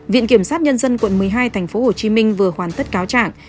viện kiểm sát nhân dân quận một mươi hai tp hcm vừa hoàn tất cáo trạng